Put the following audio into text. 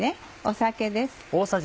酒です。